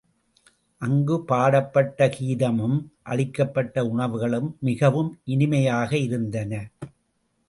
அங்கு பாடப்பட்ட கீதமும், அளிக்கப்பட்ட உணவுகளும் மிகவும் இனிமையாக இருந்தன.